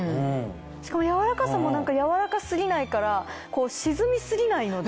しかも柔らかさも柔らか過ぎないから沈み過ぎないので。